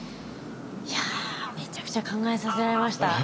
いやめちゃくちゃ考えさせられました。